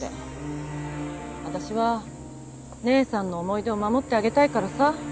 私は姉さんの思い出を守ってあげたいからさ。